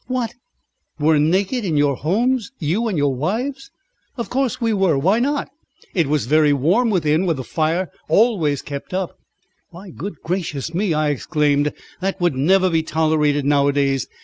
"What, were naked in your homes! you and your wives?" "Of course we were. Why not? It was very warm within with the fire always kept up." "Why good gracious me!" I exclaimed, "that would never be tolerated nowadays.